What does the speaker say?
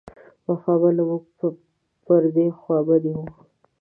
وفا به له موږ پر دې خوابدۍ و.